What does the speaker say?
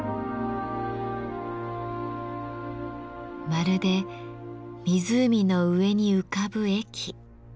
まるで湖の上に浮かぶ駅。